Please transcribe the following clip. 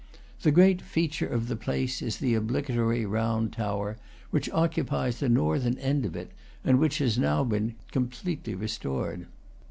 The great feature of the place is the obligatory round tower which occupies the northern end of it, and which has now been, completely restored.